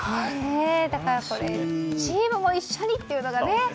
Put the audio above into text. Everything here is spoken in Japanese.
だからチームも一緒にというのがね。